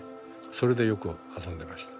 それでよく遊んでました。